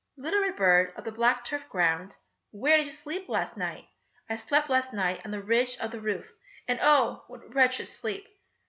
Little red bird of the black turf ground, Where did you sleep last night? I slept last night on the ridge of the roof, And oh! what a wretched sleep!